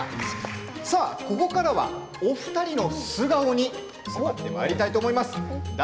ここからはお二人の素顔に迫ってまいりたいと思います。